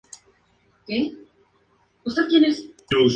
Son un lugar preciado para emplazar publicidad.